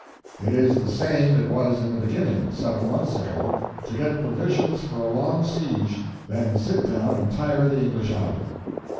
"It is the same it was in the beginning, seven months ago—to get provisions for a long siege, then sit down and tire the English out."